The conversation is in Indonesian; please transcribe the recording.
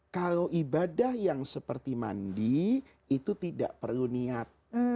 kalau ibadah yang seperti mandi itu tidak perlu niat